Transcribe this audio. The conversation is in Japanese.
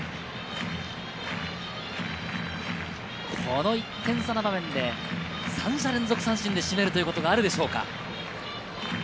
この１点差の場面で三者連続三振で締めるということがあるでしょうか？